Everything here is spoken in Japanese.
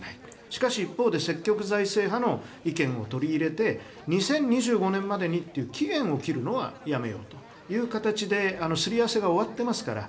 しかし、一方で積極財政派の意見を取り入れて２０２５年までにという期限を切るのはやめようという形ですり合わせは終わっていますから